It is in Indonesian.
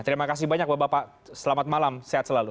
terima kasih banyak bapak bapak selamat malam sehat selalu